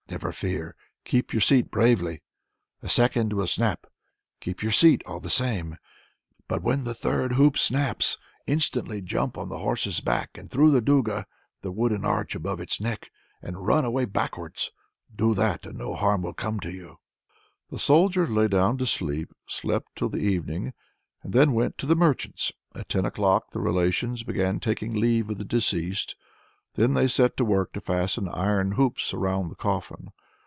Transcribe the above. Never fear, keep your seat bravely; a second will snap, keep your seat all the same; but when the third hoop snaps, instantly jump on to the horse's back and through the duga (the wooden arch above its neck), and run away backwards. Do that, and no harm will come to you." The Soldier lay down to sleep, slept till the evening, and then went to the merchant's. At ten o'clock the relations began taking leave of the deceased; then they set to work to fasten iron hoops round the coffin.